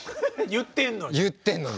言ってんのに。